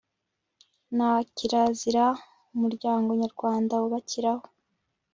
na kirazira umuryango nyarwanda wubakiraho